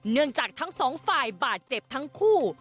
เนื่องจากทั้งสองฝ่ายบาดเจ็บทั้งคู่